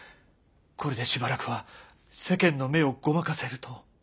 これでしばらくは世間の目をごまかせると。